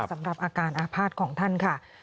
สำหรับอาการอาภาษณ์ของท่านค่ะ